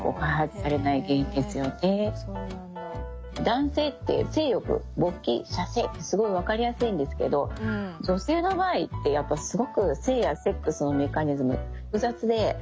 男性って性欲勃起射精ってすごい分かりやすいんですけど女性の場合ってやっぱすごく性やセックスのメカニズム複雑で。